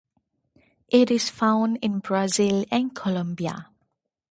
It is found in Brazil and Colombia.